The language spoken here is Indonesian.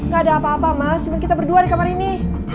gak ada apa apa mas cuman kita berdua di kamar ini